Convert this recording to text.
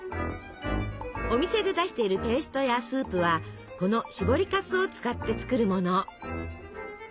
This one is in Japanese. お店で出しているペーストやスープはこのしぼりかすを使って作るもの。